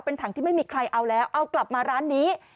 เป็นถังที่ไม่มีใครเอาแล้วเอากลับมาร้านนี้